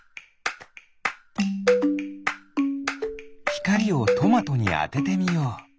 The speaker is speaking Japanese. ひかりをトマトにあててみよう。